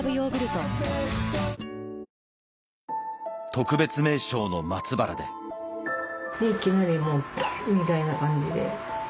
特別名勝の松原でいきなりもうバン！みたいな感じで。